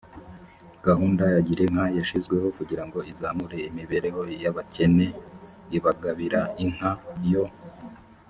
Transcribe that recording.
gahunda ya girinka yashyizweho kugira ngo izamure imibereho y abakene ibagabira inka yo